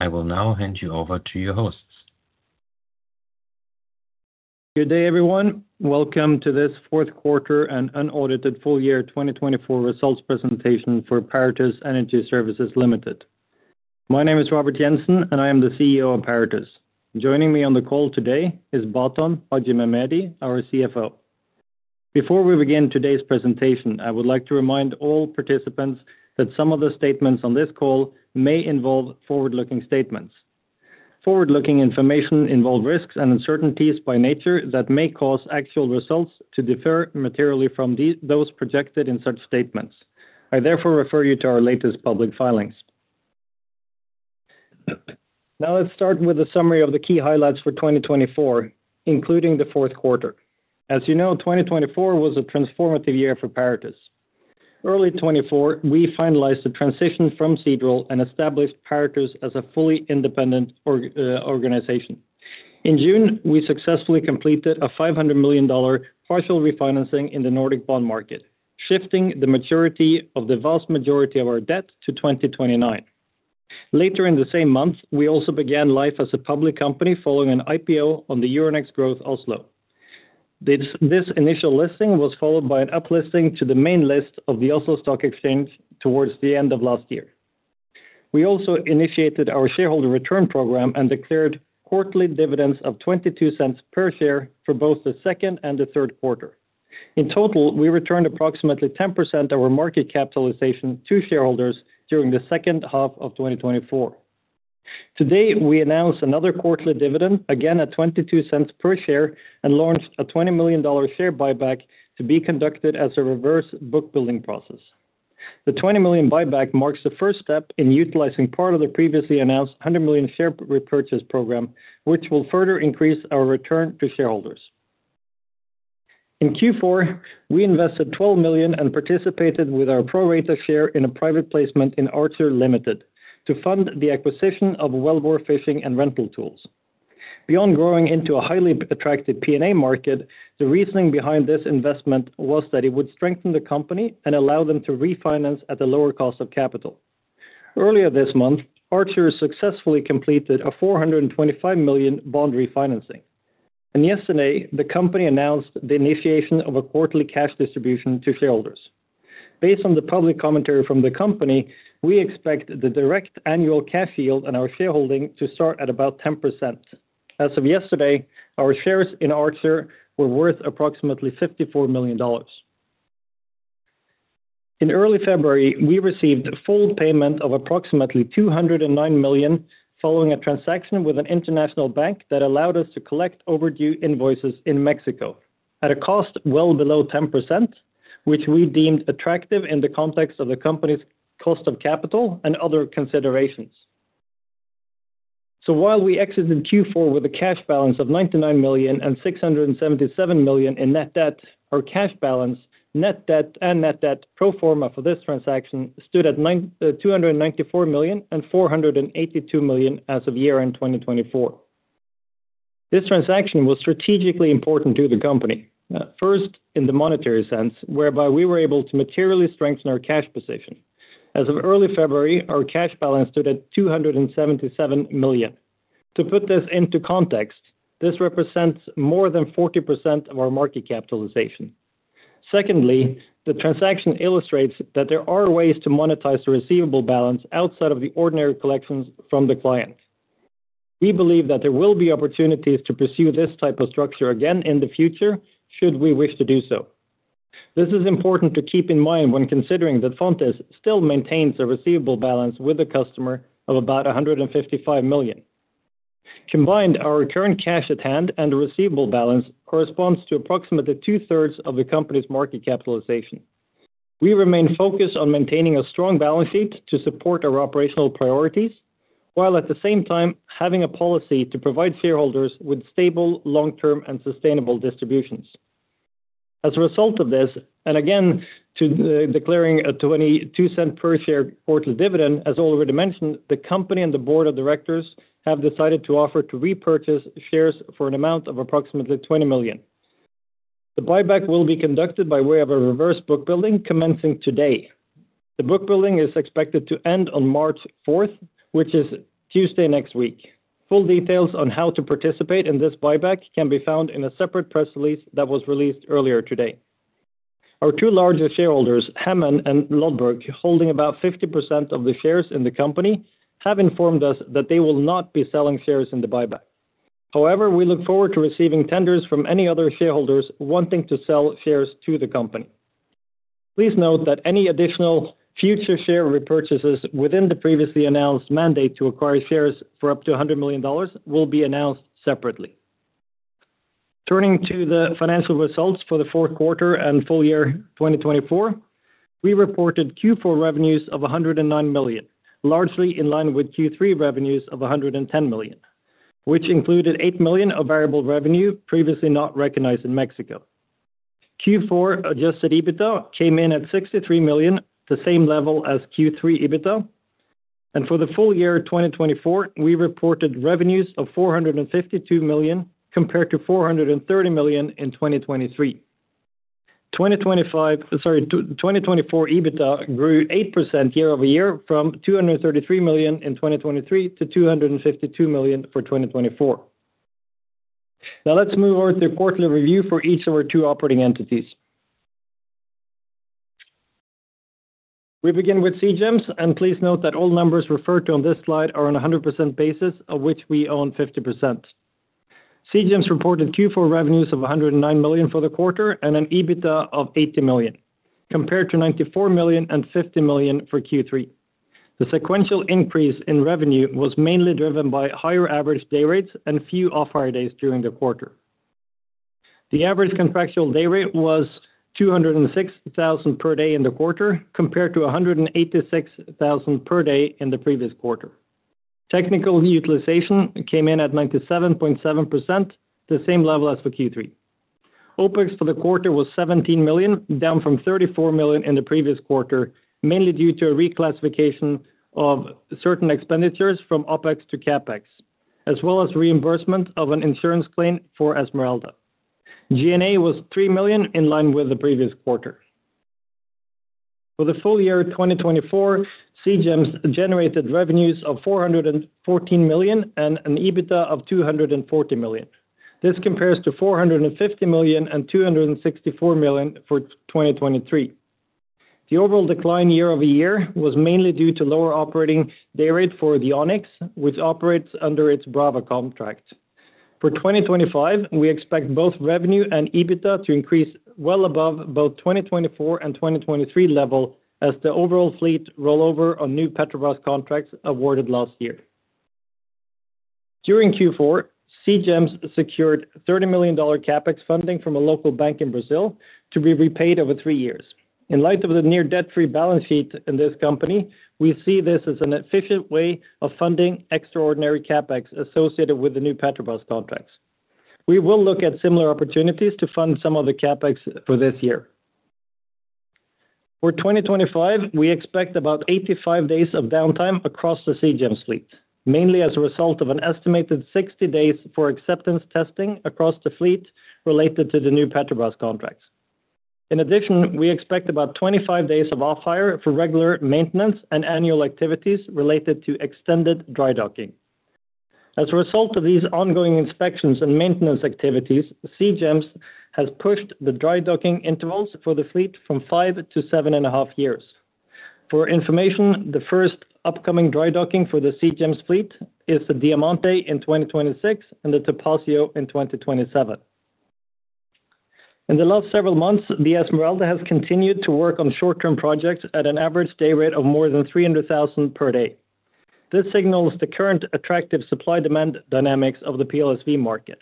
I will now hand you over to your hosts. Good day, everyone. Welcome to this fourth quarter and unaudited full year 2024 results presentation for Paratus Energy Services Limited. My name is Robert Jensen, and I am the CEO of Paratus. Joining me on the call today is Baton Haxhimehmedi, our CFO. Before we begin today's presentation, I would like to remind all participants that some of the statements on this call may involve forward-looking statements. Forward-looking information involves risks and uncertainties by nature that may cause actual results to differ materially from those projected in such statements. I therefore refer you to our latest public filings. Now let's start with a summary of the key highlights for 2024, including the fourth quarter. As you know, 2024 was a transformative year for Paratus. Early 2024, we finalized the transition from Seadrill and established Paratus as a fully independent organization. In June, we successfully completed a $500 million partial refinancing in the Nordic bond market, shifting the maturity of the vast majority of our debt to 2029. Later in the same month, we also began life as a public company following an IPO on the Euronext Growth Oslo. This initial listing was followed by an uplisting to the main list of the Oslo Stock Exchange towards the end of last year. We also initiated our shareholder return program and declared quarterly dividends of $0.22 per share for both the second and the third quarter. In total, we returned approximately 10% of our market capitalization to shareholders during the second half of 2024. Today, we announced another quarterly dividend, again at $0.22 per share, and launched a $20 million share buyback to be conducted as a reverse bookbuilding process. The $20 million buyback marks the first step in utilizing part of the previously announced $100 million share repurchase program, which will further increase our return to shareholders. In Q4, we invested $12 million and participated with our pro-rata share in a private placement in Archer Limited to fund the acquisition of wellbore fishing and rental tools. Beyond growing into a highly attractive P&A market, the reasoning behind this investment was that it would strengthen the company and allow them to refinance at a lower cost of capital. Earlier this month, Archer successfully completed a $425 million bond refinancing. Yesterday, the company announced the initiation of a quarterly cash distribution to shareholders. Based on the public commentary from the company, we expect the direct annual cash yield on our shareholding to start at about 10%. As of yesterday, our shares in Archer were worth approximately $54 million. In early February, we received full payment of approximately $209 million following a transaction with an international bank that allowed us to collect overdue invoices in Mexico at a cost well below 10%, which we deemed attractive in the context of the company's cost of capital and other considerations. While we exited Q4 with a cash balance of $99 million and $677 million in net debt, our cash balance, net debt, and net debt pro forma for this transaction stood at $294 million and $482 million as of year-end 2024. This transaction was strategically important to the company, first in the monetary sense, whereby we were able to materially strengthen our cash position. As of early February, our cash balance stood at $277 million. To put this into context, this represents more than 40% of our market capitalization. Secondly, the transaction illustrates that there are ways to monetize the receivable balance outside of the ordinary collections from the client. We believe that there will be opportunities to pursue this type of structure again in the future should we wish to do so. This is important to keep in mind when considering that Fontis still maintains a receivable balance with the customer of about $155 million. Combined, our current cash at hand and the receivable balance corresponds to approximately two-thirds of the company's market capitalization. We remain focused on maintaining a strong balance sheet to support our operational priorities, while at the same time having a policy to provide shareholders with stable, long-term, and sustainable distributions. As a result of this, and again to declaring a $0.22 per share quarterly dividend, as already mentioned, the company and the Board of Directors have decided to offer to repurchase shares for an amount of approximately $20 million. The buyback will be conducted by way of a reverse bookbuilding commencing today. The bookbuilding is expected to end on March 4th, which is Tuesday next week. Full details on how to participate in this buyback can be found in a separate press release that was released earlier today. Our two largest shareholders, Hammond and Lodberg, holding about 50% of the shares in the company, have informed us that they will not be selling shares in the buyback. However, we look forward to receiving tenders from any other shareholders wanting to sell shares to the company. Please note that any additional future share repurchases within the previously announced mandate to acquire shares for up to $100 million will be announced separately. Turning to the financial results for the fourth quarter and full year 2024, we reported Q4 revenues of $109 million, largely in line with Q3 revenues of $110 million, which included $8 million of variable revenue previously not recognized in Mexico. Q4 adjusted EBITDA came in at $63 million, the same level as Q3 EBITDA. For the full year 2024, we reported revenues of $452 million compared to $430 million in 2023. 2024 EBITDA grew 8% year-over-year from $233 million in 2023 to $252 million for 2024. Now let's move over to quarterly review for each of our two operating entities. We begin with Seagems, and please note that all numbers referred to on this slide are on a 100% basis, of which we own 50%. Seagems reported Q4 revenues of $109 million for the quarter and an EBITDA of $80 million, compared to $94 million and $50 million for Q3. The sequential increase in revenue was mainly driven by higher average day rates and few off-hire days during the quarter. The average contractual day rate was $206,000 per day in the quarter, compared to $186,000 per day in the previous quarter. Technical utilization came in at 97.7%, the same level as for Q3. OpEx for the quarter was $17 million, down from $34 million in the previous quarter, mainly due to a reclassification of certain expenditures from OpEx to CapEx, as well as reimbursement of an insurance claim for Esmeralda. G&A was $3 million, in line with the previous quarter. For the full year 2024, Seagems generated revenues of $414 million and an EBITDA of $240 million. This compares to $450 million and $264 million for 2023. The overall decline year-over-year was mainly due to lower operating day rate for the Ônix, which operates under its Brava contract. For 2025, we expect both revenue and EBITDA to increase well above both 2024 and 2023 level, as the overall fleet rollover on new Petrobras contracts awarded last year. During Q4, Seagems secured $30 million CapEx funding from a local bank in Brazil to be repaid over three years. In light of the near-debt-free balance sheet in this company, we see this as an efficient way of funding extraordinary CapEx associated with the new Petrobras contracts. We will look at similar opportunities to fund some of the CapEx for this year. For 2025, we expect about 85 days of downtime across the Seagems fleet, mainly as a result of an estimated 60 days for acceptance testing across the fleet related to the new Petrobras contracts. In addition, we expect about 25 days of off-hire for regular maintenance and annual activities related to extended dry docking. As a result of these ongoing inspections and maintenance activities, Seagems has pushed the dry docking intervals for the fleet from five to seven and a half years. For information, the first upcoming dry docking for the Seagems fleet is the Diamante in 2026 and the Topázio in 2027. In the last several months, the Esmeralda has continued to work on short-term projects at an average day rate of more than $300,000 per day. This signals the current attractive supply-demand dynamics of the PLSV market.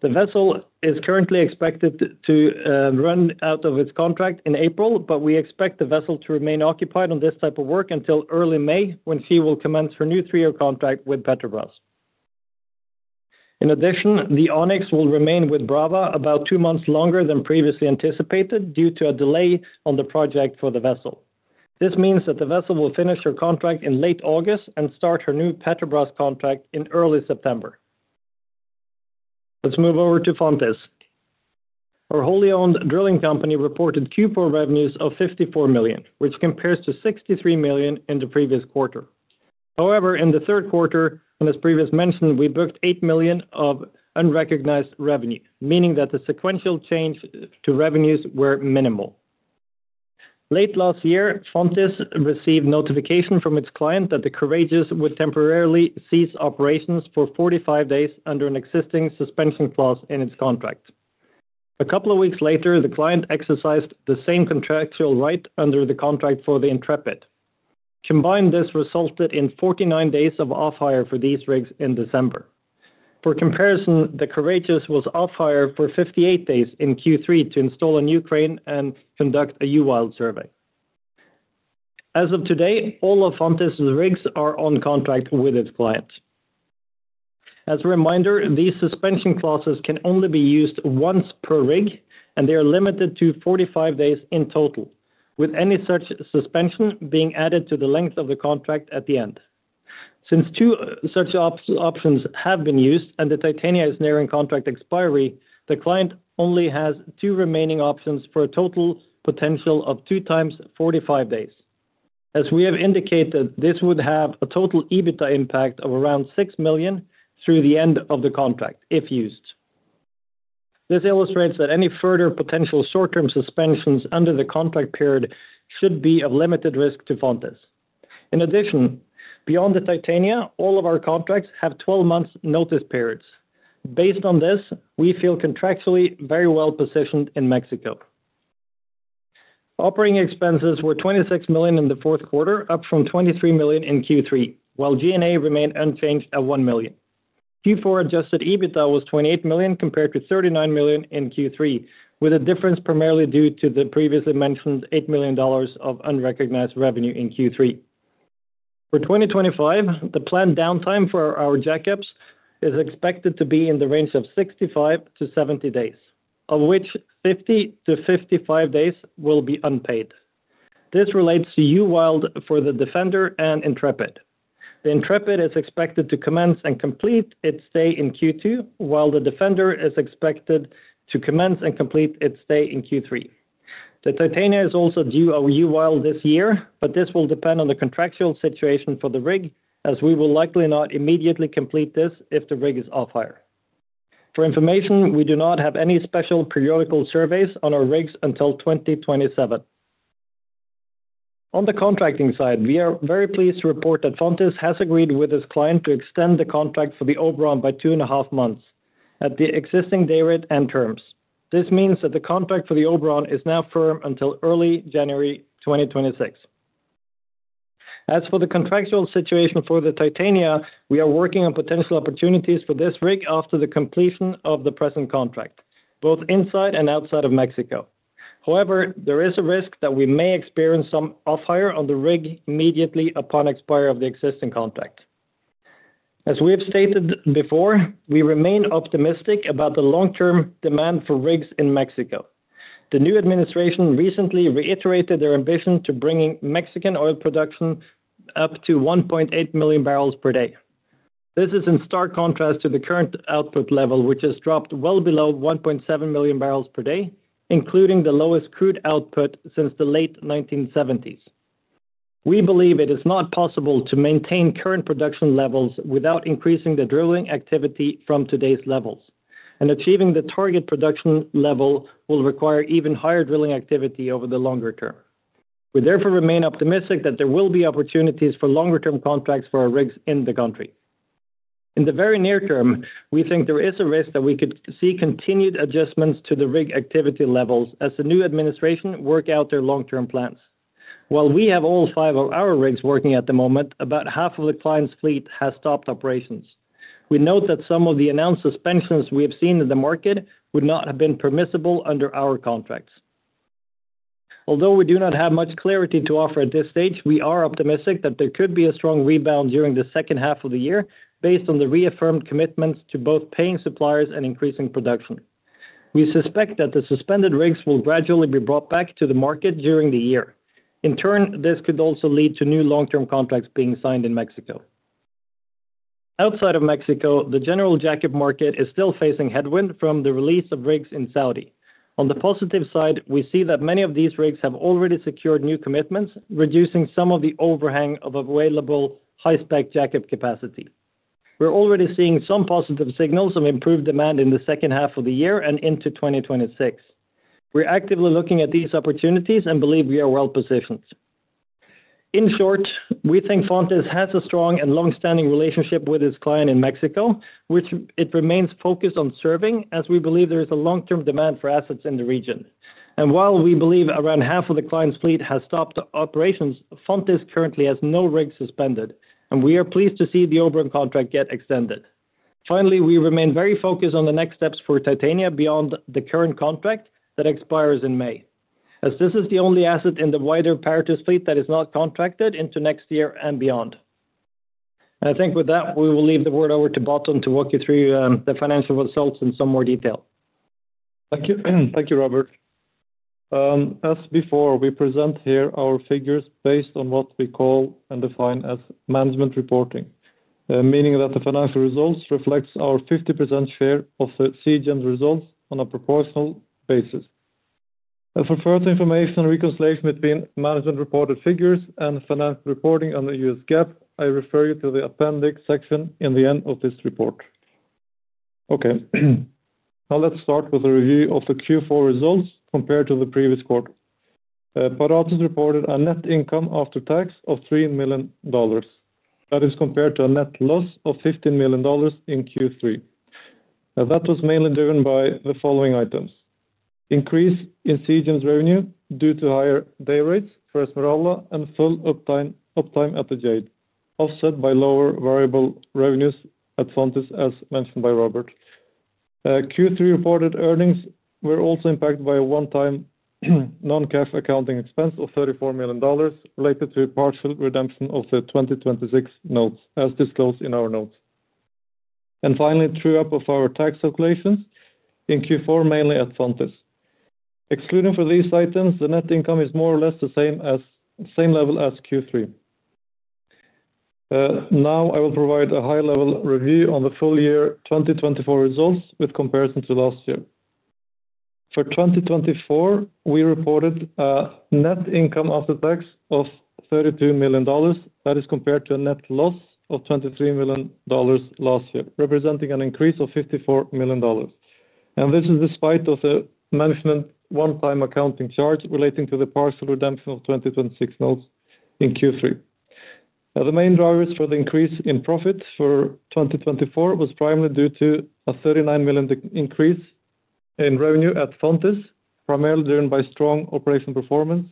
The vessel is currently expected to run out of its contract in April, but we expect the vessel to remain occupied on this type of work until early May, when she will commence her new three-year contract with Petrobras. In addition, the Ônix will remain with Brava about two months longer than previously anticipated due to a delay on the project for the vessel. This means that the vessel will finish her contract in late August and start her new Petrobras contract in early September. Let's move over to Fontis. Our wholly owned drilling company reported Q4 revenues of $54 million, which compares to $63 million in the previous quarter. However, in the third quarter, and as previously mentioned, we booked $8 million of unrecognized revenue, meaning that the sequential change to revenues was minimal. Late last year, Fontis received notification from its client that the Courageous would temporarily cease operations for 45 days under an existing suspension clause in its contract. A couple of weeks later, the client exercised the same contractual right under the contract for the Intrepid. Combined, this resulted in 49 days of off-hire for these rigs in December. For comparison, the Courageous was off-hire for 58 days in Q3 to install a new crane and conduct a UWILD survey. As of today, all of Fontis' rigs are on contract with its client. As a reminder, these suspension clauses can only be used once per rig, and they are limited to 45 days in total, with any such suspension being added to the length of the contract at the end. Since two such options have been used and the Titania is nearing contract expiry, the client only has two remaining options for a total potential of two times 45 days. As we have indicated, this would have a total EBITDA impact of around $6 million through the end of the contract, if used. This illustrates that any further potential short-term suspensions under the contract period should be of limited risk to Fontis. In addition, beyond the Titania, all of our contracts have 12 months notice periods. Based on this, we feel contractually very well positioned in Mexico. Operating expenses were $26 million in the fourth quarter, up from $23 million in Q3, while G&A remained unchanged at $1 million. Q4 adjusted EBITDA was $28 million compared to $39 million in Q3, with a difference primarily due to the previously mentioned $8 million of unrecognized revenue in Q3. For 2025, the planned downtime for our jack-ups is expected to be in the range of 65-70 days, of which 50-55 days will be unpaid. This relates to UWILD for the Defender and Intrepid. The Intrepid is expected to commence and complete its stay in Q2, while the Defender is expected to commence and complete its stay in Q3. The Titania is also due a UWILD this year, but this will depend on the contractual situation for the rig, as we will likely not immediately complete this if the rig is off-hire. For information, we do not have any special periodical surveys on our rigs until 2027. On the contracting side, we are very pleased to report that Fontis has agreed with its client to extend the contract for the Oberon by two and a half months at the existing day rate and terms. This means that the contract for the Oberon is now firm until early January 2026. As for the contractual situation for the Titania, we are working on potential opportunities for this rig after the completion of the present contract, both inside and outside of Mexico. However, there is a risk that we may experience some off-hire on the rig immediately upon expiry of the existing contract. As we have stated before, we remain optimistic about the long-term demand for rigs in Mexico. The new administration recently reiterated their ambition to bring Mexican oil production up to 1.8 million barrels per day. This is in stark contrast to the current output level, which has dropped well below 1.7 million barrels per day, including the lowest crude output since the late 1970s. We believe it is not possible to maintain current production levels without increasing the drilling activity from today's levels, and achieving the target production level will require even higher drilling activity over the longer term. We therefore remain optimistic that there will be opportunities for longer-term contracts for our rigs in the country. In the very near term, we think there is a risk that we could see continued adjustments to the rig activity levels as the new administration works out their long-term plans. While we have all five of our rigs working at the moment, about half of the client's fleet has stopped operations. We note that some of the announced suspensions we have seen in the market would not have been permissible under our contracts. Although we do not have much clarity to offer at this stage, we are optimistic that there could be a strong rebound during the second half of the year, based on the reaffirmed commitments to both paying suppliers and increasing production. We suspect that the suspended rigs will gradually be brought back to the market during the year. In turn, this could also lead to new long-term contracts being signed in Mexico. Outside of Mexico, the general jack-up market is still facing headwind from the release of rigs in Saudi. On the positive side, we see that many of these rigs have already secured new commitments, reducing some of the overhang of available high-specification jack-up capacity. We're already seeing some positive signals of improved demand in the second half of the year and into 2026. We're actively looking at these opportunities and believe we are well-positioned. In short, we think Fontis has a strong and long-standing relationship with its client in Mexico, which it remains focused on serving, as we believe there is a long-term demand for assets in the region. While we believe around half of the client's fleet has stopped operations, Fontis currently has no rig suspended, and we are pleased to see the Oberon contract get extended. Finally, we remain very focused on the next steps for Titania beyond the current contract that expires in May, as this is the only asset in the wider Paratus fleet that is not contracted into next year and beyond. I think with that, we will leave the word over to Baton to walk you through the financial results in some more detail. Thank you, Robert. As before, we present here our figures based on what we call and define as management reporting, meaning that the financial results reflect our 50% share of the Seagems results on a proportional basis. For further information reconciling between management reported figures and financial reporting under U.S. GAAP, I refer you to the appendix section in the end of this report. Okay, now let's start with a review of the Q4 results compared to the previous quarter. Paratus reported a net income after tax of $3 million. That is compared to a net loss of $15 million in Q3. That was mainly driven by the following items: increase in Seagems revenue due to higher day rates for Esmeralda and full uptime at the Jade, offset by lower variable revenues at Fontis, as mentioned by Robert. Q3 reported earnings were also impacted by a one-time non-cash accounting expense of $34 million, related to a partial redemption of the 2026 notes, as disclosed in our notes. Finally, true-up of our tax calculations in Q4, mainly at Fontis. Excluding for these items, the net income is more or less the same level as Q3. Now I will provide a high-level review on the full year 2024 results with comparison to last year. For 2024, we reported a net income after tax of $32 million. That is compared to a net loss of $23 million last year, representing an increase of $54 million. This is despite the management one-time accounting charge relating to the partial redemption of 2026 notes in Q3. The main drivers for the increase in profit for 2024 were primarily due to a $39 million increase in revenue at Fontis, primarily driven by strong operational performance,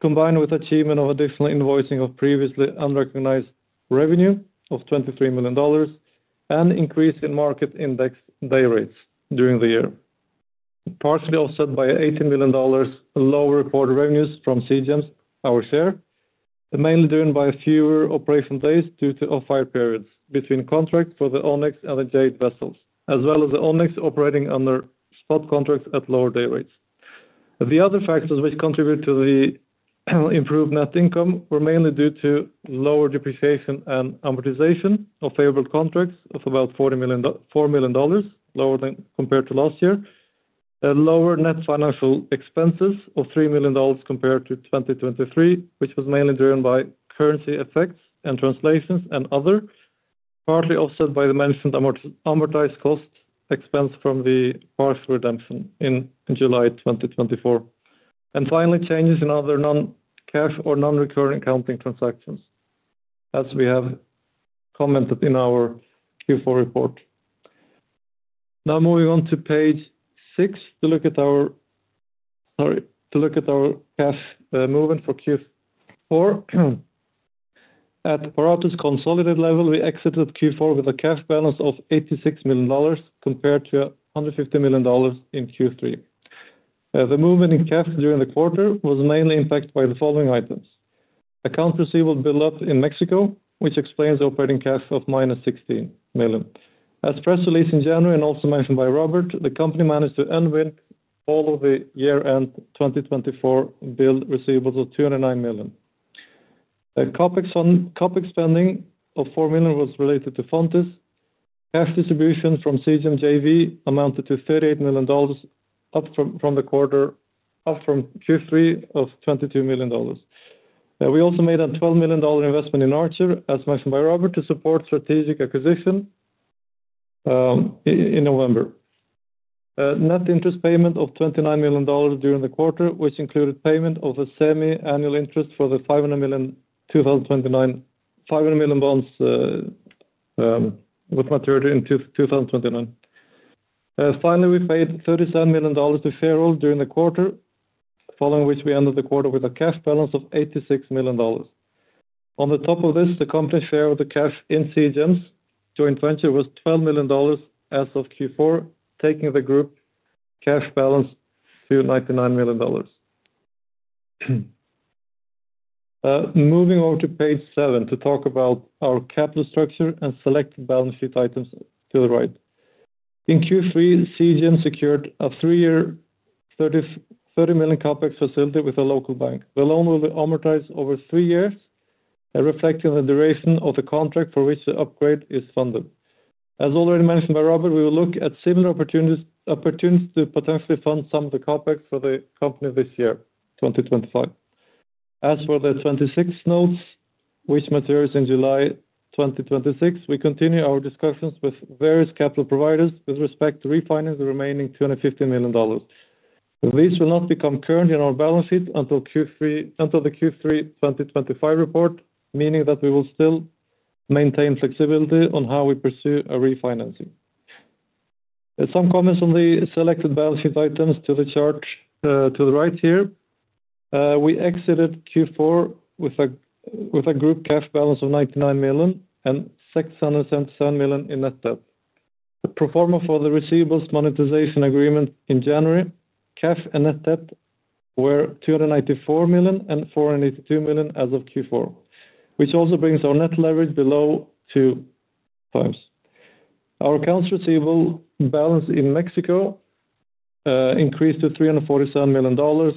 combined with achievement of additional invoicing of previously unrecognized revenue of $23 million, and increase in market index day rates during the year. Partially offset by $80 million, lower reported revenues from Seagems, our share, mainly driven by fewer operation days due to off-hire periods between contracts for the Ônix and the Jade vessels, as well as the Ônix operating under spot contracts at lower day rates. The other factors which contribute to the improved net income were mainly due to lower depreciation and amortization of favorable contracts of about $4 million, lower than compared to last year. Lower net financial expenses of $3 million compared to 2023, which was mainly driven by currency effects and translations and other, partly offset by the management amortized cost expense from the partial redemption in July 2024. Finally, changes in other non-cash or non-recurring accounting transactions, as we have commented in our Q4 report. Now moving on to page six to look at our cash movement for Q4. At Paratus consolidated level, we exited Q4 with a cash balance of $86 million compared to $150 million in Q3. The movement in cash during the quarter was mainly impacted by the following items: account receivable build-up in Mexico, which explains the operating cash of minus $16 million. As press released in January and also mentioned by Robert, the company managed to end with all of the year-end 2024 billed receivables of $209 million. CapEx spending of $4 million was related to Fontis. cash distribution from Seagems JV amounted to $38 million, up from the quarter up from Q3 of $22 million. We also made a $12 million investment in Archer, as mentioned by Robert, to support strategic acquisition in November. Net interest payment of $29 million during the quarter, which included payment of a semi-annual interest for the $500 million bonds with maturity in 2029. Finally, we paid $37 million to sharehold during the quarter, following which we ended the quarter with a cash balance of $86 million. On the top of this, the company's share of the cash in Seagems joint venture was $12 million as of Q4, taking the group cash balance to $99 million. Moving over to page seven to talk about our capital structure and select balance sheet items to the right. In Q3, Seagems secured a three-year $30 million CapEx facility with a local bank. The loan will be amortized over three years, reflecting the duration of the contract for which the upgrade is funded. As already mentioned by Robert, we will look at similar opportunities to potentially fund some of the CapEx for the company this year, 2025. As for the 2026 notes, which materialize in July 2026, we continue our discussions with various capital providers with respect to refinance the remaining $250 million. These will not become current in our balance sheet until the Q3 2025 report, meaning that we will still maintain flexibility on how we pursue refinancing. Some comments on the selected balance sheet items to the chart to the right here. We exited Q4 with a group cash balance of $99 million and $677 million in net debt. The pro forma for the receivables monetization agreement in January, cash and net debt were $294 million and $482 million as of Q4, which also brings our net leverage below two times. Our accounts receivable balance in Mexico increased to $347 million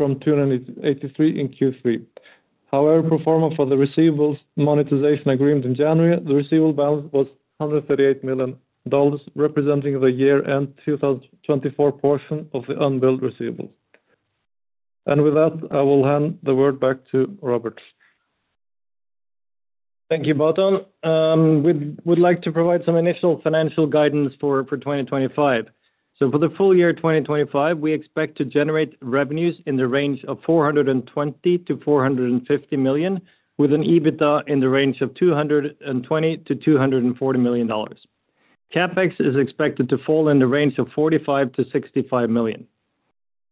from $283 million in Q3. However, pro forma for the receivables monetization agreement in January, the receivable balance was $138 million, representing the year-end 2024 portion of the unbilled receivables. With that, I will hand the word back to Robert. Thank you, Baton. We'd like to provide some initial financial guidance for 2025. For the full year 2025, we expect to generate revenues in the range of $420-$450 million, with an EBITDA in the range of $220-$240 million. CapEx is expected to fall in the range of $45-$65 million.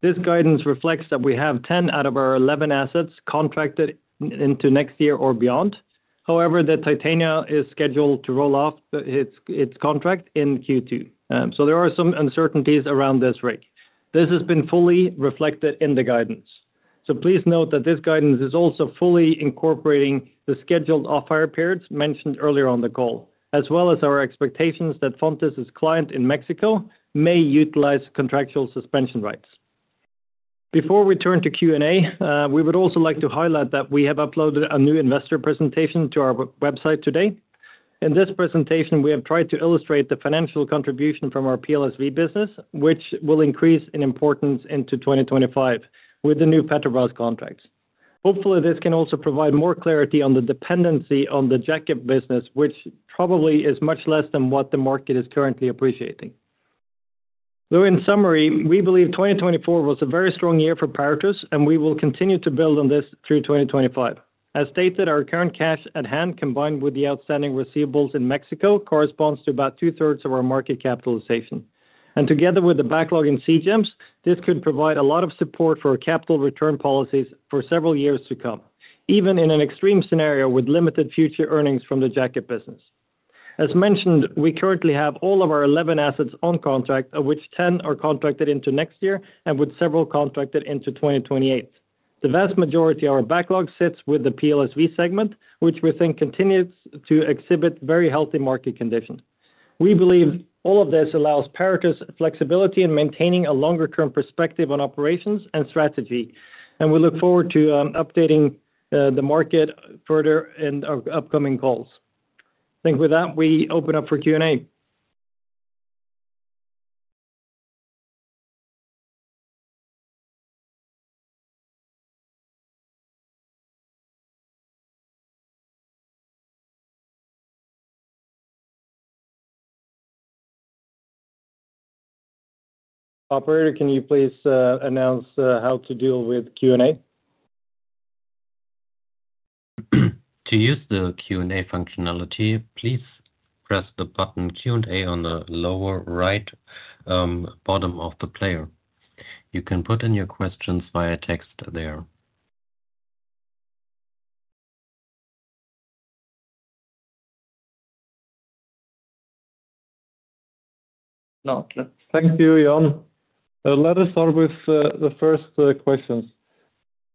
This guidance reflects that we have 10 out of our 11 assets contracted into next year or beyond. However, the Titania is scheduled to roll off its contract in Q2. There are some uncertainties around this rig. This has been fully reflected in the guidance. Please note that this guidance is also fully incorporating the scheduled off-hire periods mentioned earlier on the call, as well as our expectations that Fontis, as client in Mexico, may utilize contractual suspension rights. Before we turn to Q&A, we would also like to highlight that we have uploaded a new investor presentation to our website today. In this presentation, we have tried to illustrate the financial contribution from our PLSV business, which will increase in importance into 2025 with the new Petrobras contracts. Hopefully, this can also provide more clarity on the dependency on the jack-up business, which probably is much less than what the market is currently appreciating. Though in summary, we believe 2024 was a very strong year for Paratus, and we will continue to build on this through 2025. As stated, our current cash at hand, combined with the outstanding receivables in Mexico, corresponds to about two-thirds of our market capitalization. Together with the backlog in Seagems, this could provide a lot of support for capital return policies for several years to come, even in an extreme scenario with limited future earnings from the jack-up business. As mentioned, we currently have all of our 11 assets on contract, of which 10 are contracted into next year and with several contracted into 2028. The vast majority of our backlog sits with the PLSV segment, which we think continues to exhibit very healthy market conditions. We believe all of this allows Paratus flexibility in maintaining a longer-term perspective on operations and strategy, and we look forward to updating the market further in our upcoming calls. I think with that, we open up for Q&A. Operator, can you please announce how to deal with Q&A? To use the Q&A functionality, please press the button Q&A on the lower right bottom of the player. You can put in your questions via text there. Thank you, [Jan]. Let us start with the first questions.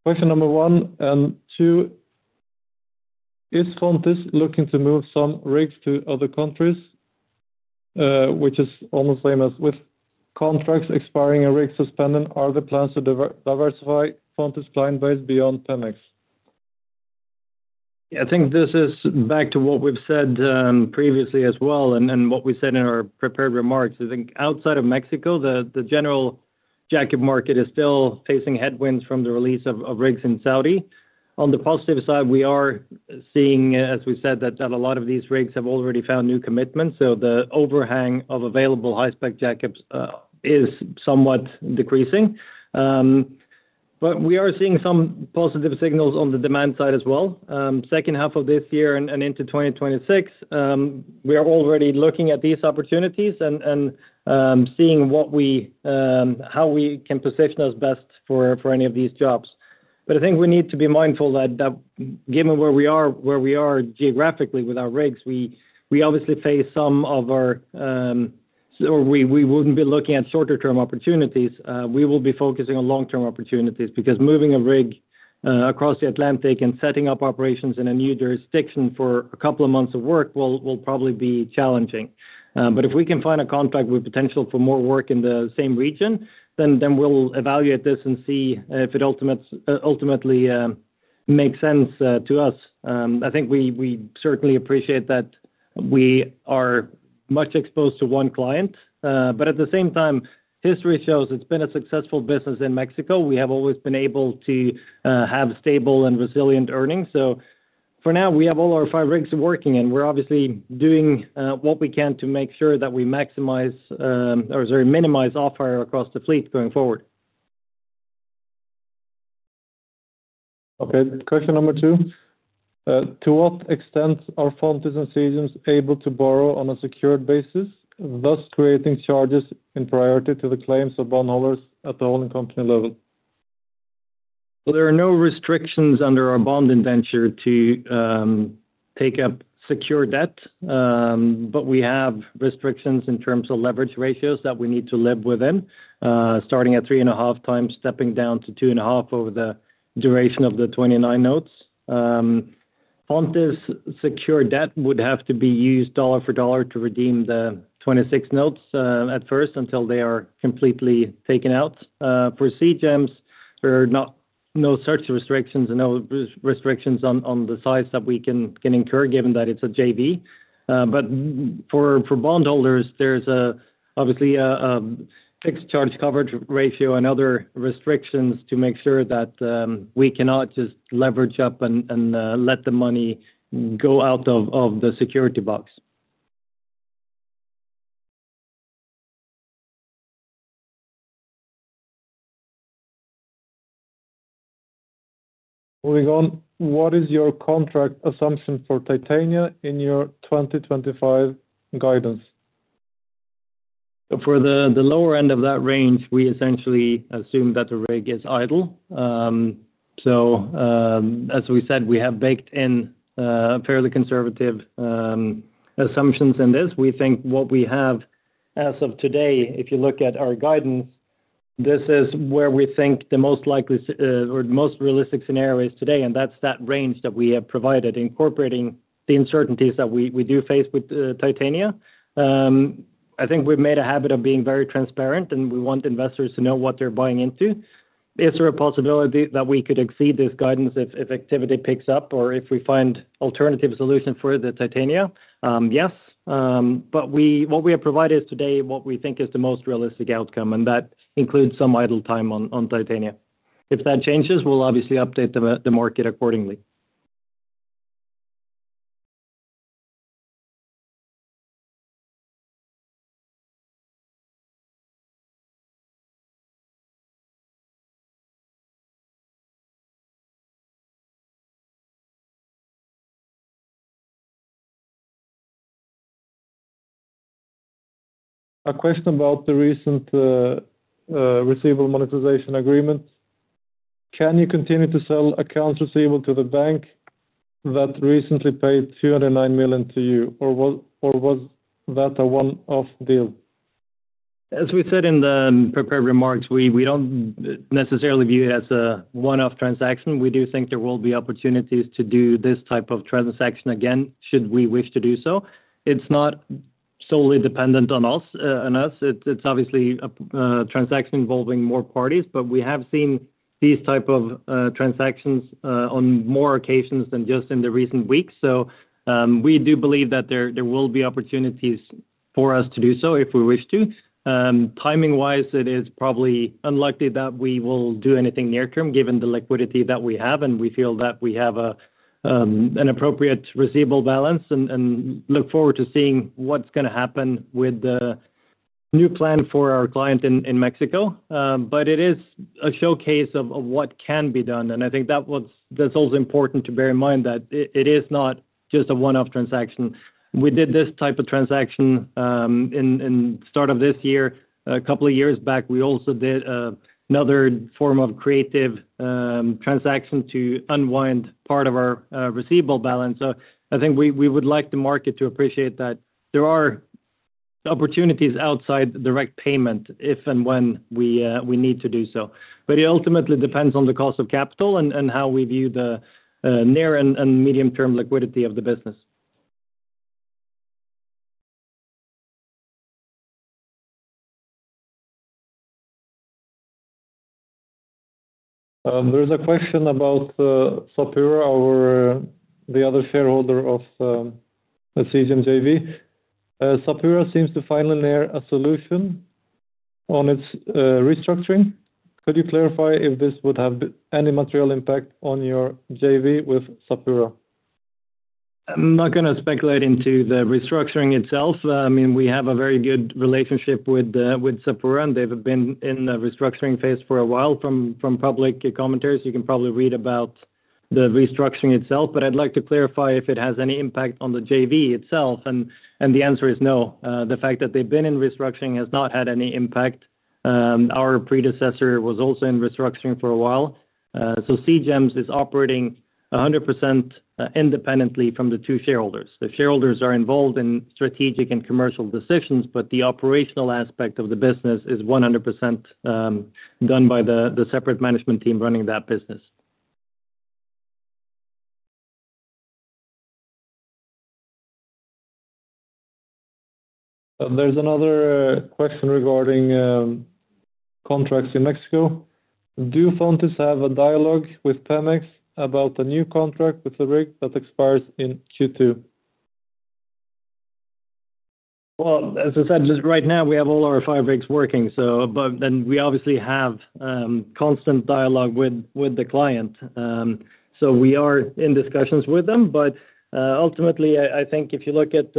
Question number one and two. Is Fontis looking to move some rigs to other countries, which is almost the same as with contracts expiring and rigs suspended? Are there plans to diversify Fontis' client base beyond Pemex? I think this is back to what we've said previously as well and what we said in our prepared remarks. I think outside of Mexico, the general jack-up market is still facing headwinds from the release of rigs in Saudi. On the positive side, we are seeing, as we said, that a lot of these rigs have already found new commitments. So the overhang of available high-specification jack-up rigs is somewhat decreasing. We are seeing some positive signals on the demand side as well. Second half of this year and into 2026, we are already looking at these opportunities and seeing how we can position us best for any of these jobs. I think we need to be mindful that given where we are geographically with our rigs, we obviously face some of our—or we would not be looking at shorter-term opportunities. We will be focusing on long-term opportunities because moving a rig across the Atlantic and setting up operations in a new jurisdiction for a couple of months of work will probably be challenging. If we can find a contract with potential for more work in the same region, then we'll evaluate this and see if it ultimately makes sense to us. I think we certainly appreciate that we are much exposed to one client. At the same time, history shows it's been a successful business in Mexico. We have always been able to have stable and resilient earnings. For now, we have all our five rigs working, and we're obviously doing what we can to make sure that we maximize or minimize off-hire across the fleet going forward. Okay. Question number two. To what extent are Fontis and Seagems able to borrow on a secured basis, thus creating charges in priority to the claims of bondholders at the holding company level? There are no restrictions under our bond indenture to take up secured debt, but we have restrictions in terms of leverage ratios that we need to live within, starting at three and a half times, stepping down to two and a half over the duration of the 2029 notes. Fontis' secured debt would have to be used dollar for dollar to redeem the 2026 notes at first until they are completely taken out. For Seagems, there are no such restrictions and no restrictions on the size that we can incur, given that it's a JV. For bondholders, there's obviously a fixed charge coverage ratio and other restrictions to make sure that we cannot just leverage up and let the money go out of the security box. Moving on, what is your contract assumption for Titania in your 2025 guidance? For the lower end of that range, we essentially assume that the rig is idle. As we said, we have baked in fairly conservative assumptions in this. We think what we have as of today, if you look at our guidance, this is where we think the most likely or the most realistic scenario is today, and that's that range that we have provided, incorporating the uncertainties that we do face with Titania. I think we've made a habit of being very transparent, and we want investors to know what they're buying into. Is there a possibility that we could exceed this guidance if activity picks up or if we find alternative solutions for the Titania? Yes. What we have provided today is what we think is the most realistic outcome, and that includes some idle time on Titania. If that changes, we'll obviously update the market accordingly. A question about the recent receivable monetization agreement. Can you continue to sell accounts receivable to the bank that recently paid $209 million to you, or was that a one-off deal? As we said in the prepared remarks, we don't necessarily view it as a one-off transaction. We do think there will be opportunities to do this type of transaction again should we wish to do so. It's not solely dependent on us. It's obviously a transaction involving more parties, but we have seen these types of transactions on more occasions than just in the recent weeks. We do believe that there will be opportunities for us to do so if we wish to. Timing-wise, it is probably unlikely that we will do anything near-term given the liquidity that we have, and we feel that we have an appropriate receivable balance and look forward to seeing what's going to happen with the new plan for our client in Mexico. It is a showcase of what can be done. I think that's also important to bear in mind that it is not just a one-off transaction. We did this type of transaction in the start of this year. A couple of years back, we also did another form of creative transaction to unwind part of our receivable balance. I think we would like the market to appreciate that there are opportunities outside direct payment if and when we need to do so. It ultimately depends on the cost of capital and how we view the near and medium-term liquidity of the business. There's a question about Sapura, the other shareholder of the Seagems JV. Sapura seems to finally near a solution on its restructuring. Could you clarify if this would have any material impact on your JV with Sapura? I'm not going to speculate into the restructuring itself. I mean, we have a very good relationship with Sapura, and they've been in the restructuring phase for a while from public commentaries. You can probably read about the restructuring itself. I'd like to clarify if it has any impact on the JV itself. The answer is no. The fact that they've been in restructuring has not had any impact. Our predecessor was also in restructuring for a while. Seagems is operating 100% independently from the two shareholders. The shareholders are involved in strategic and commercial decisions, but the operational aspect of the business is 100% done by the separate management team running that business. There's another question regarding contracts in Mexico. Do Fontis have a dialogue with Pemex about the new contract with the rig that expires in Q2? As I said, right now, we have all our five rigs working. We obviously have constant dialogue with the client. We are in discussions with them. Ultimately, I think if you look at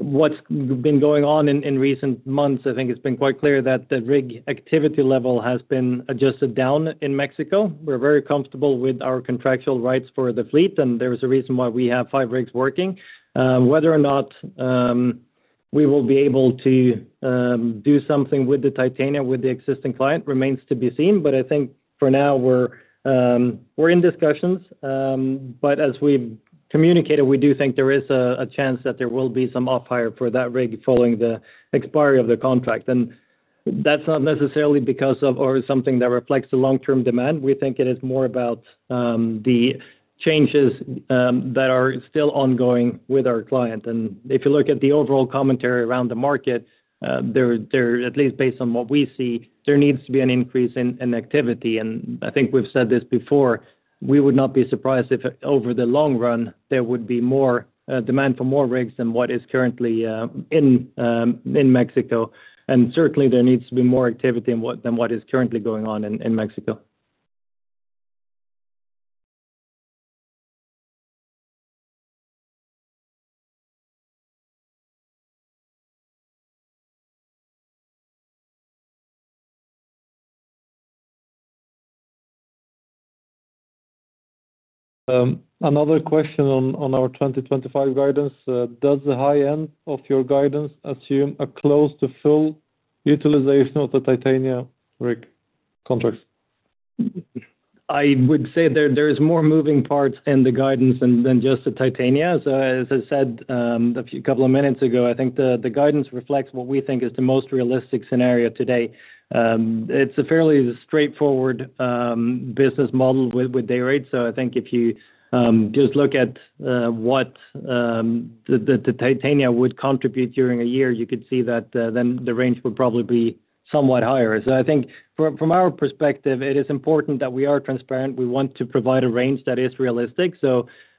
what's been going on in recent months, I think it's been quite clear that the rig activity level has been adjusted down in Mexico. We're very comfortable with our contractual rights for the fleet, and there is a reason why we have five rigs working. Whether or not we will be able to do something with the Titania with the existing client remains to be seen. I think for now, we're in discussions. As we've communicated, we do think there is a chance that there will be some off-hire for that rig following the expiry of the contract. That's not necessarily because of or something that reflects the long-term demand. We think it is more about the changes that are still ongoing with our client. If you look at the overall commentary around the market, at least based on what we see, there needs to be an increase in activity. I think we've said this before. We would not be surprised if over the long run, there would be more demand for more rigs than what is currently in Mexico. Certainly, there needs to be more activity than what is currently going on in Mexico. Another question on our 2025 guidance. Does the high end of your guidance assume a close to full utilization of the Titania rig contracts? I would say there are more moving parts in the guidance than just the Titania. As I said a couple of minutes ago, I think the guidance reflects what we think is the most realistic scenario today. It's a fairly straightforward business model with day rates. I think if you just look at what the Titania would contribute during a year, you could see that then the range would probably be somewhat higher. I think from our perspective, it is important that we are transparent. We want to provide a range that is realistic.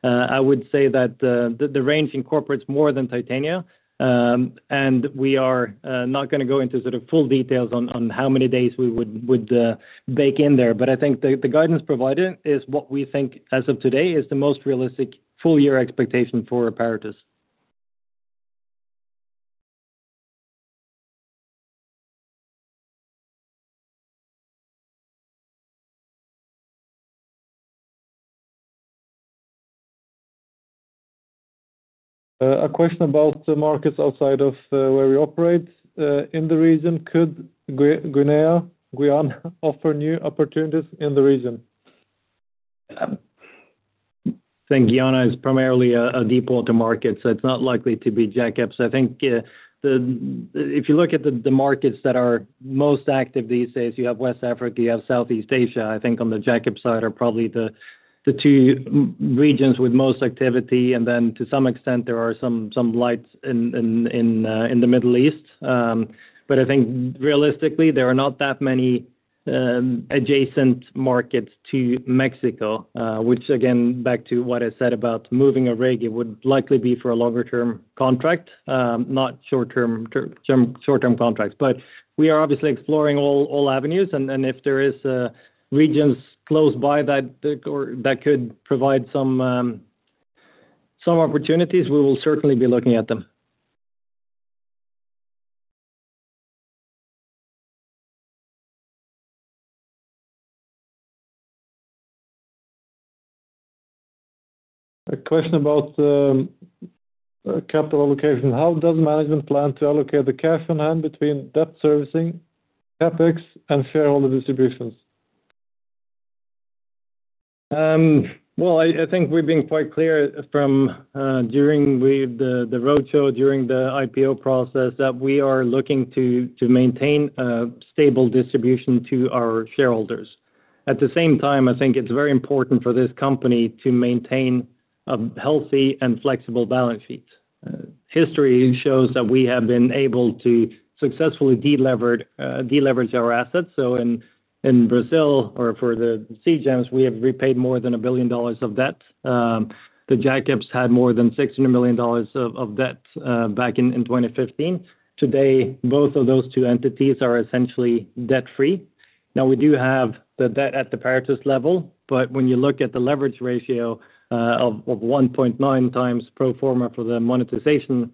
I would say that the range incorporates more than Titania. We are not going to go into sort of full details on how many days we would bake in there. I think the guidance provided is what we think as of today is the most realistic full-year expectation for Paratus. A question about the markets outside of where we operate in the region. Could Guinea offer new opportunities in the region? I think Guinea is primarily a deep water market, so it is not likely to be jack-ups. I think if you look at the markets that are most active these days, you have West Africa, you have Southeast Asia. I think on the jack-up side are probably the two regions with most activity. To some extent, there are some lights in the Middle East. I think realistically, there are not that many adjacent markets to Mexico, which again, back to what I said about moving a rig, it would likely be for a longer-term contract, not short-term contracts. We are obviously exploring all avenues. If there are regions close by that could provide some opportunities, we will certainly be looking at them. A question about capital allocation. How does management plan to allocate the cash on hand between debt servicing, CapEx, and shareholder distributions? I think we've been quite clear during the roadshow, during the IPO process, that we are looking to maintain a stable distribution to our shareholders. At the same time, I think it's very important for this company to maintain a healthy and flexible balance sheet. History shows that we have been able to successfully deleverage our assets. In Brazil, for the Seagems, we have repaid more than $1 billion of debt. The jack-ups had more than $600 million of debt back in 2015. Today, both of those two entities are essentially debt-free. Now, we do have the debt at the Paratus level, but when you look at the leverage ratio of 1.9 times pro forma for the monetization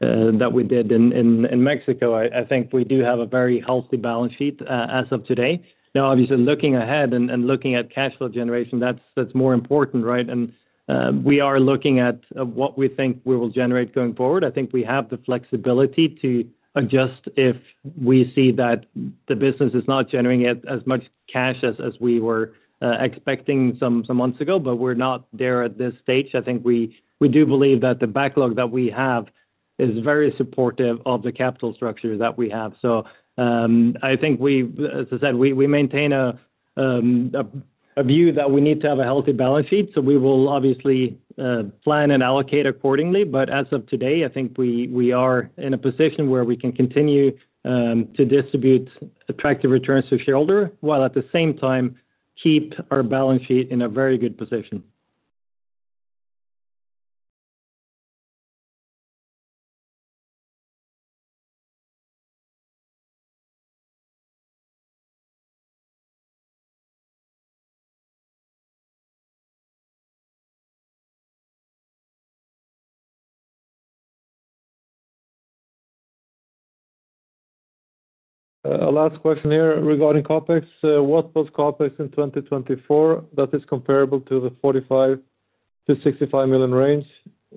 that we did in Mexico, I think we do have a very healthy balance sheet as of today. Obviously, looking ahead and looking at cash flow generation, that's more important, right? We are looking at what we think we will generate going forward. I think we have the flexibility to adjust if we see that the business is not generating as much cash as we were expecting some months ago, but we're not there at this stage. I think we do believe that the backlog that we have is very supportive of the capital structure that we have. I think, as I said, we maintain a view that we need to have a healthy balance sheet. We will obviously plan and allocate accordingly. As of today, I think we are in a position where we can continue to distribute attractive returns to shareholders while at the same time keep our balance sheet in a very good position. A last question here regarding CapEx. What was CapEx in 2024 that is comparable to the $45-$65 million range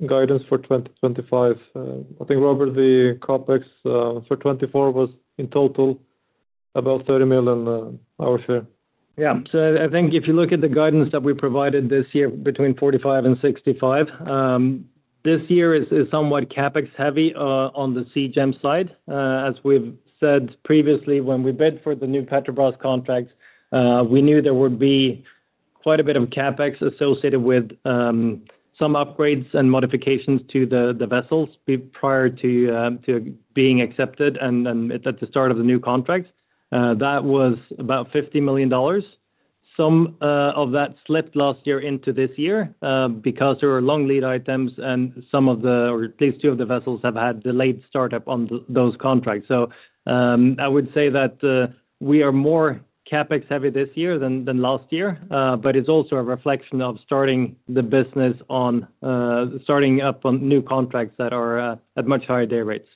guidance for 2025? I think, Robert, the CapEx for 2024 was in total about $30 million our share. Yeah. I think if you look at the guidance that we provided this year between $45 million and $65 million, this year is somewhat CapEx-heavy on the Seagems side. As we've said previously, when we bid for the new Petrobras contracts, we knew there would be quite a bit of CapEx associated with some upgrades and modifications to the vessels prior to being accepted and at the start of the new contracts. That was about $50 million. Some of that slipped last year into this year because there were long lead items and some of the, or at least two of the vessels have had delayed startup on those contracts. I would say that we are more CapEx-heavy this year than last year, but it's also a reflection of starting the business on starting up on new contracts that are at much higher day rates.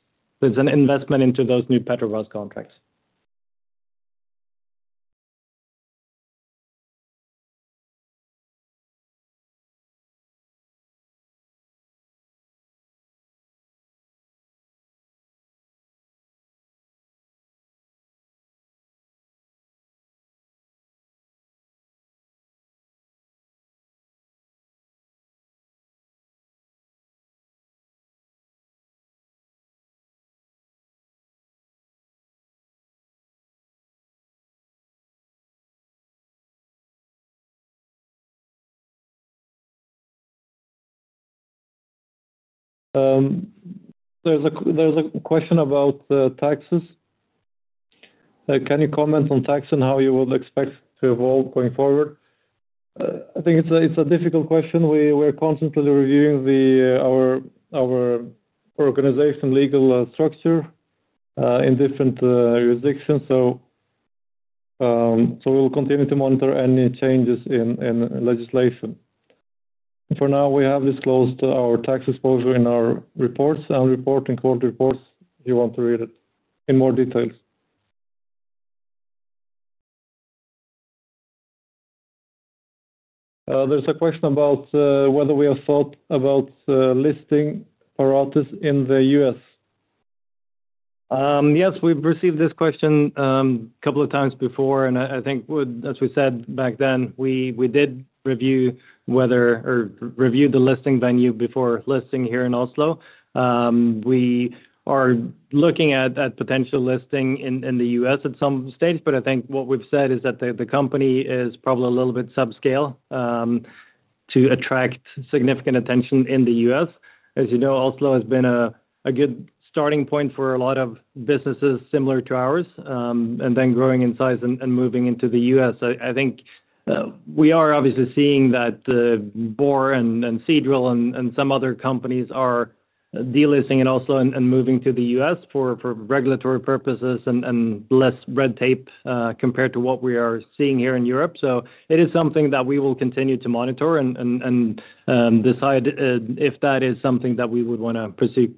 It's an investment into those new Petrobras contracts. There's a question about taxes. Can you comment on tax and how you would expect to evolve going forward? I think it's a difficult question. We are constantly reviewing our organization legal structure in different jurisdictions. We'll continue to monitor any changes in legislation. For now, we have disclosed our tax exposure in our reports and reporting quarter reports if you want to read it in more details. There's a question about whether we have thought about listing Paratus in the U.S. Yes, we've received this question a couple of times before. I think, as we said back then, we did review the listing venue before listing here in Oslo. We are looking at potential listing in the U.S. at some stage. I think what we've said is that the company is probably a little bit subscale to attract significant attention in the U.S.. As you know, Oslo has been a good starting point for a lot of businesses similar to ours and then growing in size and moving into the U.S. I think we are obviously seeing that Borr and Seadrill and some other companies are delisting in Oslo and moving to the U.S. for regulatory purposes and less red tape compared to what we are seeing here in Europe. It is something that we will continue to monitor and decide if that is something that we would want to pursue.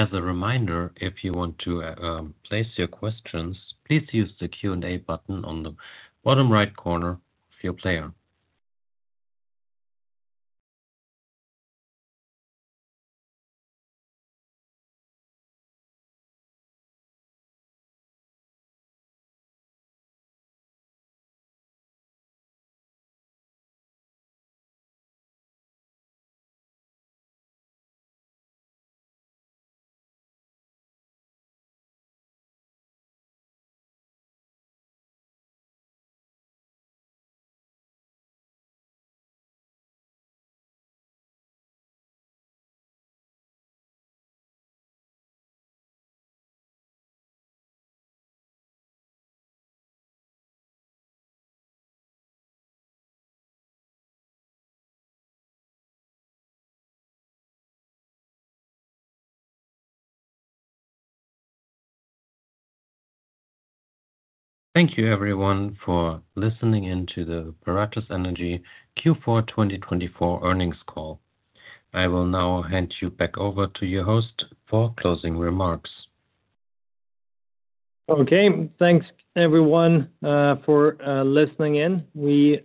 As a reminder, if you want to place your questions, please use the Q&A button on the bottom right corner of your player. Thank you, everyone, for listening in to the Paratus Energy Q4 2024 earnings call. I will now hand you back over to your host for closing remarks. Okay. Thanks, everyone, for listening in.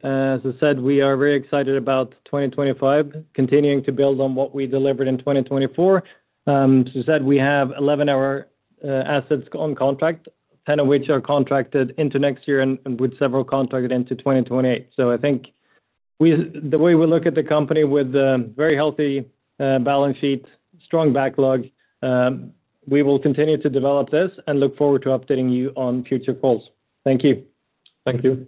As I said, we are very excited about 2025, continuing to build on what we delivered in 2024. As I said, we have 11 of our assets on contract, 10 of which are contracted into next year and with several contracted into 2028. I think the way we look at the company with a very healthy balance sheet, strong backlog, we will continue to develop this and look forward to updating you on future calls. Thank you. Thank you.